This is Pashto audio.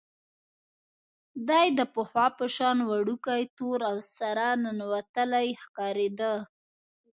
دی د پخوا په شان وړوکی، تور او سره ننوتلی ښکارېده.